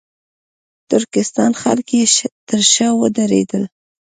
ترکستان خلک یې تر شا ودرېدل.